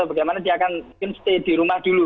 bagaimana dia akan stay di rumah dulu